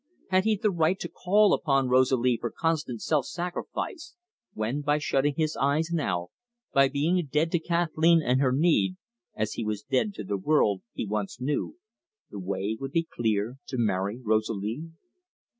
Had he the right to call upon Rosalie for constant self sacrifice, when, by shutting his eyes now, by being dead to Kathleen and her need, as he was dead to the world he once knew, the way would be clear to marry Rosalie?